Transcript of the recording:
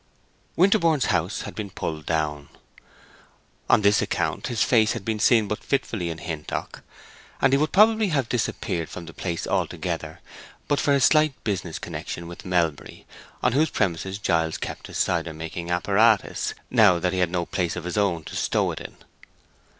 Winterborne's house had been pulled down. On this account his face had been seen but fitfully in Hintock; and he would probably have disappeared from the place altogether but for his slight business connection with Melbury, on whose premises Giles kept his cider making apparatus, now that he had no place of his own to stow it in.